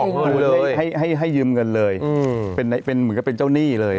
เขาของมันเลยให้ให้ยืมเงินเลยอืมเป็นไหนเป็นเหมือนกับเป็นเจ้าหนี้เลย